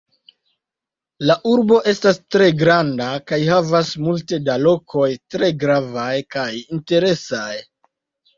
La urbo estas tre granda kaj havas multe da lokoj tre gravaj kaj interesaj.